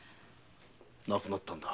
亡くなったんだ。